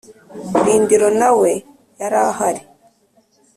Rindiro na we yari ahari.